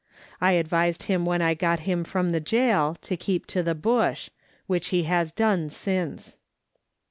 I advised him when I got him from the gaol to keep to the bush, which he has done since.